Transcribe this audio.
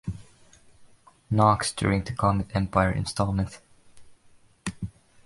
Knox during the Comet Empire installment.